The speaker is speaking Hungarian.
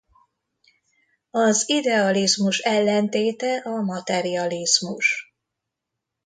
Az idealizmus ellentéte a materializmus.